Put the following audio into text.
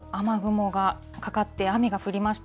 ところどころ、雨雲がかかって、雨が降りました。